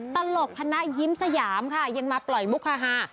ตลกคณะยิ้มสยามค่ะยังมาปล่อยมุกฮา